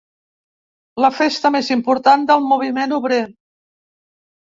La festa més important del moviment obrer.